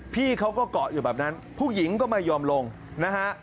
พี่เขาก็เกาะอยู่แบบนั้นผู้หญิงก็ไม่ยอมลงนะฮะ